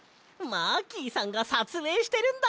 マーキーさんがさつえいしてるんだ。